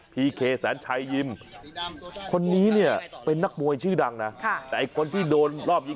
พีเคแสนชัยยิมคนนี้เนี่ยเป็นนักมวยชื่อดังนะแต่ไอ้คนที่โดนรอบยิง